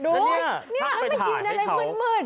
ดูไม่กินอะไรเมื่น